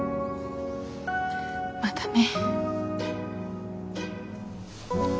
またね。